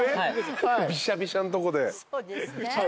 ビシャビシャんとこで。